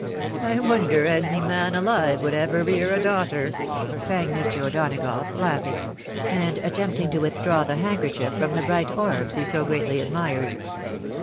"/ wonder any man alive would ever rear a daughter," sang Mr. O'Donagough, laughing, and attempting to withdraw the hankerchief from the bright orbs he so greatly admired.